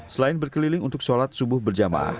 selain berkeliling untuk sholat subuh berjamaah